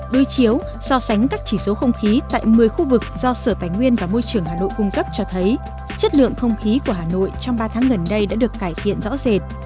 do sở tài nguyên và môi trường hà nội cung cấp cho thấy chất lượng không khí của hà nội trong ba tháng gần đây đã được cải thiện rõ rệt